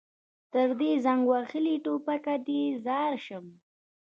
تر دې زنګ وهلي ټوپک دې ځار شم.